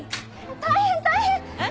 大変大変！